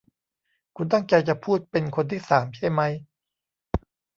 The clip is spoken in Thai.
คุณตั้งใจจะพูดเป็นคนที่สามใช่มั้ย